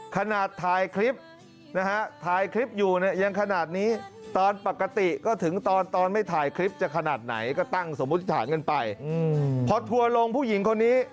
ขนาดถ่ายคลิปถ่ายคลิปอยู่นะเกินขนาดนี้